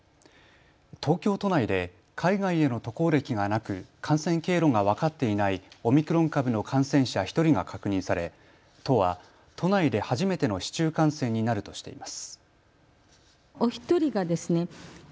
東京都内で、海外への渡航歴がなく感染経路が分かっていないオミクロン株の感染者１人が確認され都は都内で初めての市中感染になるとしています。